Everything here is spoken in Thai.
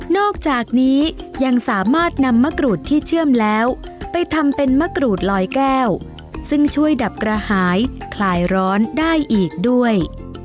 อกจากนี้ยังสามารถนำมะกรูดที่เชื่อมแล้วไปทำเป็นมะกรูดลอยแก้วซึ่งช่วยดับกระหายคลายร้อนได้อีกด้วย